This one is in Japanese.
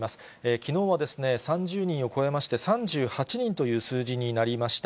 きのうは３０人を超えまして、３８人という数字になりました。